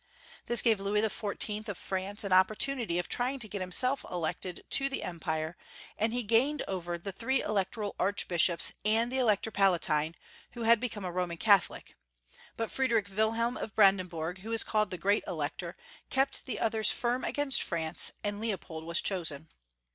This gave Louis XIV. of France an op portunity of trying to get himself elected to the Empire, and he gained over the tln ee Electoral Archbishops and the Elector Palatine, who had be come a Roman Catholic, but Friedrich Wilhelm of Brandenburg, who is called the Great Elector, kept the others firm against France, and Leopold was chosen.